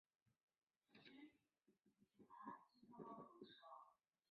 她在该系列剧集中献唱了好几首歌曲。